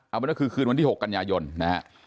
เอาเป็นว่าคือคืนวันที่๖กันยายนนะฮะ